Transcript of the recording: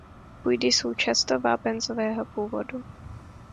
Půdy jsou často vápencového původu.